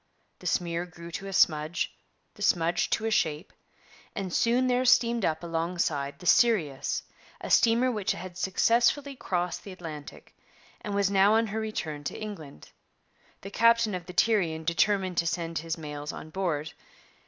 The smear grew to a smudge, the smudge to a shape, and soon there steamed up alongside the Sirius, a steamer which had successfully crossed the Atlantic, and was now on her return to England. The captain of the Tyrian determined to send his mails on board.